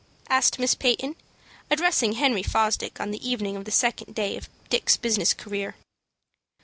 asked Miss Peyton, addressing Henry Fosdick on the evening of the second day of Dick's business career.